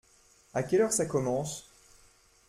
À quelle heure ça commence ?